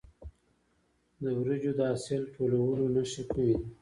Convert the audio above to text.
د وریجو د حاصل ټولولو نښې کومې دي؟